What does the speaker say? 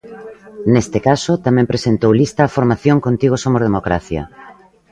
Neste caso, tamén presentou lista a formación Contigo Somos Democracia.